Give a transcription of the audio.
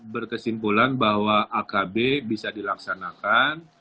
berkesimpulan bahwa akb bisa dilaksanakan